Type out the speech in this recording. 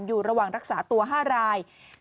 อยู่ระหว่างรักษาตัว๕ราย